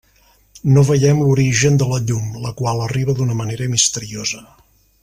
No veiem l'origen de la llum, la qual, arriba d'una manera misteriosa.